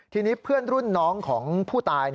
ทีนี้เพื่อนรุ่นน้องของผู้ตาย